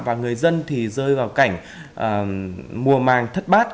và người dân thì rơi vào cảnh mùa màng thất bát